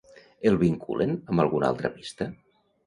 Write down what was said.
El vinculen amb alguna altra pista?